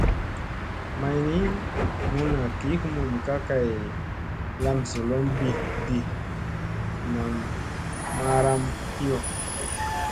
May ni, mulla gi humum ka kay lamzolomɓi ɗi, nam maaram kiyo.